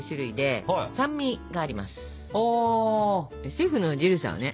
シェフのジルさんはね